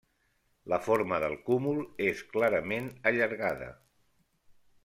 La forma del cúmul és clarament allargada.